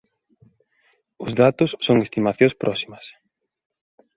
Os datos son estimacións próximas.